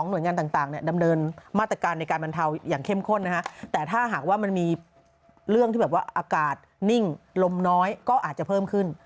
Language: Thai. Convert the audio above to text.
ว่าอากาศนิ่งลมน้อยก็อาจจะเพิ่มขึ้น